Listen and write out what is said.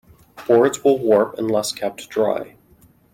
Boards will warp unless kept dry.